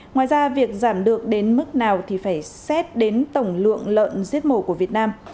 ngoài ra việc giảm được đến mức nào thì phải xét đến tổng lượng lợn giết mổ của việt nam